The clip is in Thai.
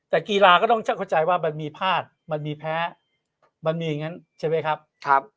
แต่กีฬาก็ต้องช่างเข้าใจว่ามันมีพลาดมันมีแพ้มันมีอย่างนั้นใช่ไหมครับ